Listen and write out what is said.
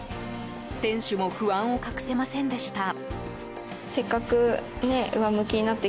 店主も不安を隠せませんでした。